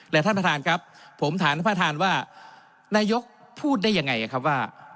และท่านประธานครับผมถามท่านประธานว่านายกพูดได้ยังไงครับว่า